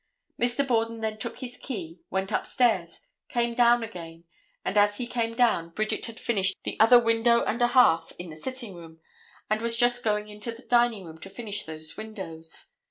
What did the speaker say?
Mr. Borden then took his key, went upstairs, came down again, and, as he came down, Bridget had finished the other window and a half in the sitting room and was just going into the dining room to finish those windows.